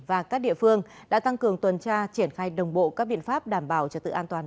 và các địa phương đã tăng cường tuần tra triển khai đồng bộ các biện pháp đảm bảo trật tự an toàn